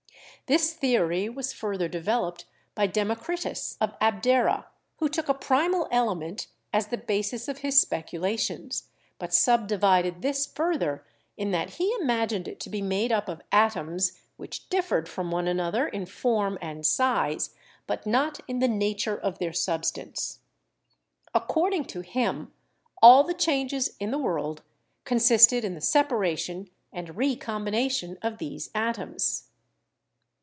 This theory was further developed by Democritus of Abdera, who took a primal element as the basis of his speculations, but subdivided this further in that he imag ined it to be made up of atoms, which differed from one another in form and size, but not in the nature of their substance. According to him, all the changes in the world consisted in the separation and recombination of these atoms.